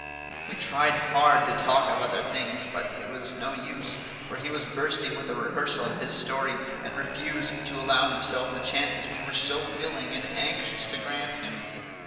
We tried hard to talk of other things, but it was no use, for he was bursting with the rehearsal of his story and refused to allow himself the chances we were so willing and anxious to grant him.